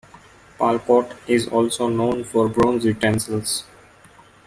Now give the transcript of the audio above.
Palkot is also known for bronze utensils.